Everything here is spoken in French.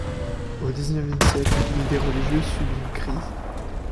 Au dix-neuvième siècle, l’idée religieuse subit une crise.